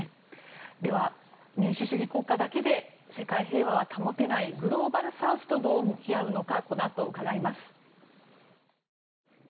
では、民主主義国家だけで世界平和は保てないグローバルサウスとどう向き合うのかこのあと伺います。